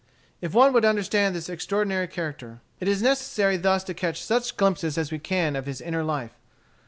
If one would understand this extraordinary character, it is necessary thus to catch such glimpses as we can of his inner life.